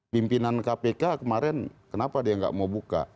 pimpinan kpk kemarin kenapa dia nggak mau buka